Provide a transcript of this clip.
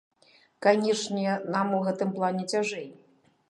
Канечне, нам у гэтым плане цяжэй.